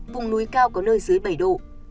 vùng núi cao có nơi dưới bảy độ